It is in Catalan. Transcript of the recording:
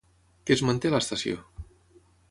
Què es manté a l'estació?